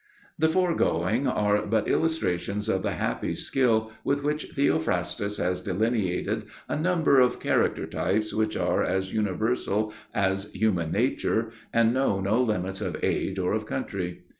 The foregoing are but illustrations of the happy skill with which Theophrastus has delineated a number of character types which are as universal as human nature and know no limits of age or of country.